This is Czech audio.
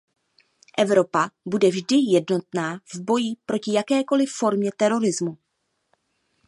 Evropa bude vždy jednotná v boji proti jakékoli formě terorismu.